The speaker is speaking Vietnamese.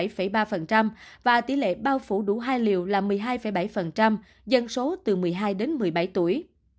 tỷ lệ tiêm chủng đủ nhất một liều là năm mươi bảy ba và tỷ lệ bao phủ đủ hai liều là một mươi hai bảy dân số từ một mươi hai đến một mươi bảy tuổi